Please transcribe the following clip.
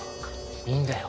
いいんだよ。